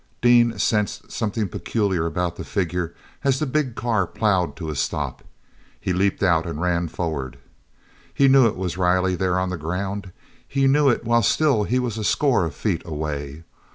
Dean sensed something peculiar about that figure as the big car ploughed to a stop. He leaped out and ran forward. He knew it was Riley there on the ground, knew it while still he was a score of feet away.